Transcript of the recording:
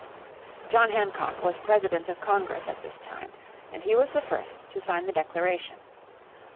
John Hancock was President of Congress at this time, and he was the first to sign the declaration.